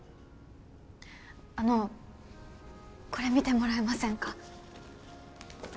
あのこれ見てもらえませんか？